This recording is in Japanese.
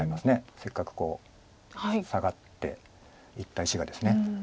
せっかくこうサガっていった石がです。